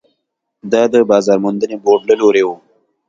دا د بازار موندنې بورډ له لوري وو.